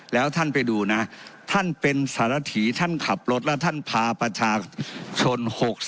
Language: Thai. แล้วท่านไปดูนะท่านเป็นสารถีท่านขับรถแล้วท่านพาประชาชน๖๐